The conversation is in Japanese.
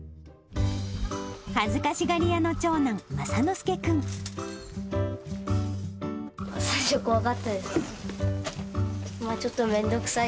恥ずかしがり屋の長男、最初は怖かったです。